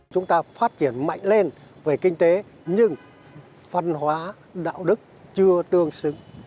chúng ta phát triển mạnh lên về kinh tế nhưng văn hóa đạo đức chưa tương xứng